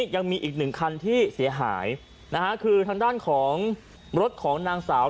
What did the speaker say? ยังมีอีกหนึ่งคันที่เสียหายนะฮะคือทางด้านของรถของนางสาว